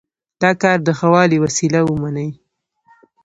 دا د کار د ښه والي وسیله ومني.